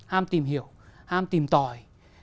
ham tìm hiểu ham tìm tòi